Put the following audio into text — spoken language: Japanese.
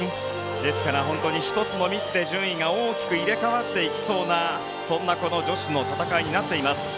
ですから本当に１つのミスで順位が大きく入れ替わっていきそうなそんなこの女子の戦いになっています。